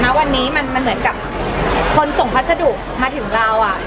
ณวันนี้มันเหมือนกับคนส่งพัสดุมาถึงเรา